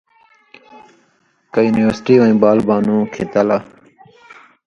کہ یونیورسٹی وَیں بال بانُوں کھېں تَلہ